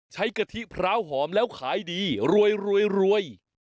ใช้กะทิพร้าวหอมแล้วขายดีรวยรวยรวย